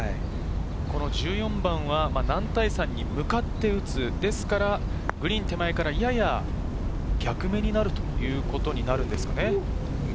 １４番は男体山に向かって打つ、グリーン手前から、やや逆目になるということになるんですかね。